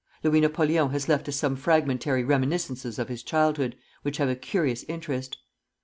Louis Napoleon has left us some fragmentary reminiscences of his childhood, which have a curious interest.